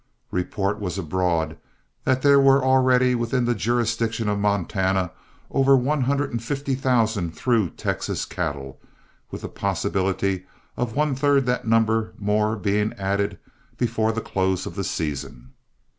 Report was abroad that there were already within the jurisdiction of Montana over one hundred and fifty thousand through Texas cattle, with a possibility of one third that number more being added before the close of the season.